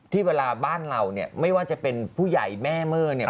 ที่เวลาบ้านเราเนี่ยไม่ว่าจะเป็นผู้ใหญ่แม่เมอร์เนี่ย